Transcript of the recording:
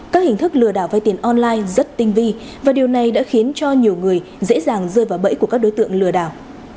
các hình thức lừa đảo vai tiền online rất tinh vi và điều này đã khiến cho nhiều người dễ dàng rơi vào bẫy của các đối tượng lừa đảo